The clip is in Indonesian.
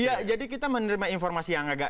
ya jadi kita menerima informasi yang agak